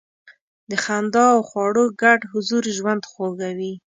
د خندا او خواړو ګډ حضور ژوند خوږوي.